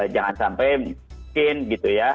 jangan sampai mungkin gitu ya